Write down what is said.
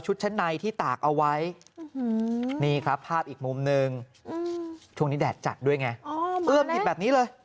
ช่วงนี้แดดจัดด้วยไงเอื้อมผิดแบบนี้เลย